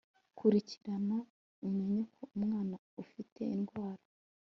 kurikirana umenye ko umwana ufite indwara